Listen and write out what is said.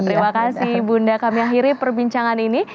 terima kasih bunda kami akhiri perbincangan ini